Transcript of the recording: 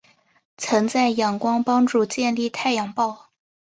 曾在仰光帮助建立太阳报。